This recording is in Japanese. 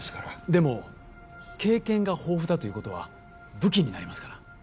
でも経験が豊富だということは武器になりますから